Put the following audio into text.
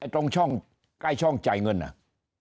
ตรงช่องใกล้ช่องจ่ายเงินน่ะ